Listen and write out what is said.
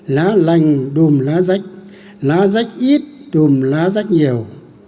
lá lành đùm lá rách lá rách ít đùm lá rách nhiều